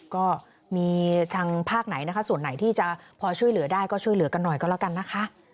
ก็มีทางภาคไหนนะคะส่วนไหนที่จะพอช่วยเหลือได้ก็ช่วยเหลือกันหน่อยก็แล้วกันนะคะ